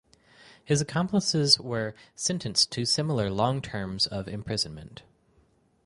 His accomplices were sentenced to similar long terms of imprisonment.